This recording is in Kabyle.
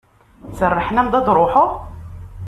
Serrḥen-am-d ad d-truḥeḍ?